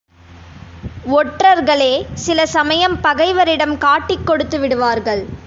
ஒற்றர்களே சில சமயம் பகைவரிடம் காட்டிக் கொடுத்துவிடுவார்கள்.